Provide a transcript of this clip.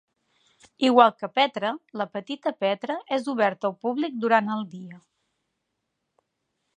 Igual que Petra, la Petita Petra és oberta al públic durant el dia.